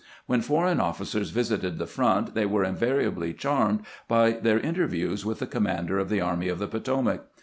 When foreign officers visited the front they were invari ably charmed by their interviews with the commander of the Army of the Potomac.